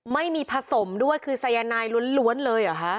ไม่มีผสมด้วยคือสายนายล้วนเลยเหรอคะ